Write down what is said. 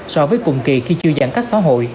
so với cùng kỳ khi chưa giãn cách xã hội